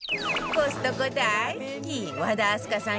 コストコ大好き和田明日香さん